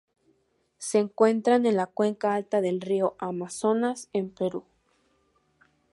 Se encuentran en la cuenca alta del río Amazonas, en Perú.